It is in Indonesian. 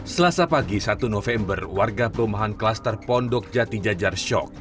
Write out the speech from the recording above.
selasa pagi satu november warga perumahan klaster pondok jati jajar shock